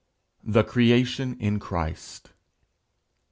THE CREATION IN CHRIST.